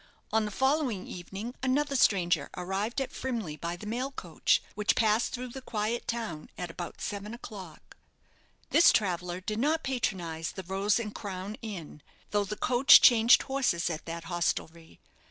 On the following evening another stranger arrived at Frimley by the mail coach, which passed through the quiet town at about seven o'clock. This traveller did not patronise the "Rose and Crown" inn, though the coach changed horses at that hostelry.